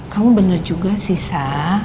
kamu bener juga sih sa